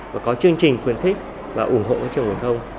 và có chương trình khuyến khích và ủng hộ các trường phổ thông